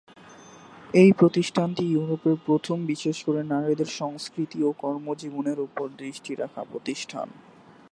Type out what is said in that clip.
এই প্রতিষ্ঠানটি ইউরোপের প্রথম বিশেষ করে নারীদের সংস্কৃতি ও কর্মজীবনের উপর দৃষ্টি রাখা প্রতিষ্ঠান।